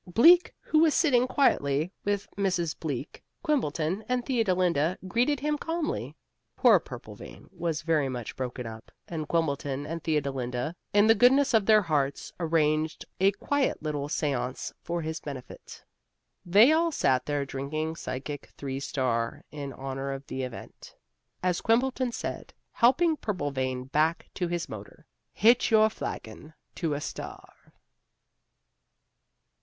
Bleak, who was sitting quietly with Mrs. Bleak, Quimbleton and Theodolinda, greeted him calmly. Poor Purplevein was very much broken up, and Quimbleton and Theodolinda, in the goodness of their hearts, arranged a quiet little seance for his benefit. They all sat their drinking psychic Three Star in honor of the event. As Quimbleton said, helping Purplevein back to his motor "Hitch your flagon to a Star."